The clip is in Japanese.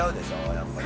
やっぱりね。